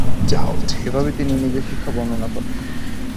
এইভাবেই তিনি নিজের শিক্ষা বর্ণনা করেন।